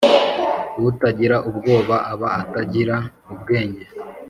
Utagira ubwoba aba atagra ubwenge.